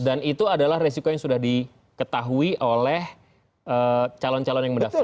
dan itu adalah resiko yang sudah diketahui oleh calon calon yang mendaftar